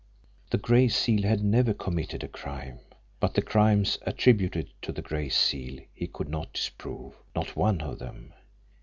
The Gray Seal had never committed a crime! But the crimes attributed to the Gray Seal he could not disprove, not one of them!